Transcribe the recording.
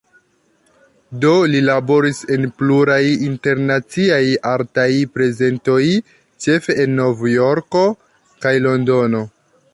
Do li laboris en pluraj internaciaj artaj prezentoj, ĉefe en Novjorko kaj Londono.